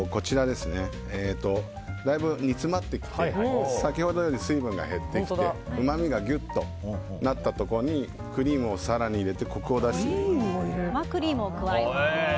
だいぶ煮詰まってきて先ほどより水分が減ってきてうまみがギュッとなったところにクリームを更に入れてコクを出していきます。